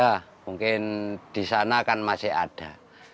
ya mungkin di sana kan masih ada